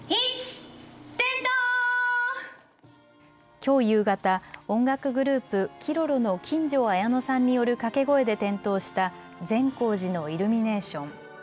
きょう夕方、音楽グループ、Ｋｉｒｏｒｏの金城綾乃さんによる掛け声で点灯した善光寺のイルミネーション。